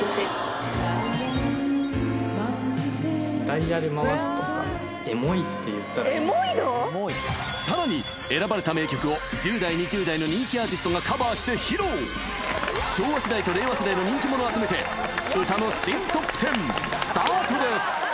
ダイヤル回してさらに選ばれた名曲を１０代２０代の人気アーティストがカバーして披露昭和世代と令和世代の人気者を集めて『歌のシン・トップテン』スタートです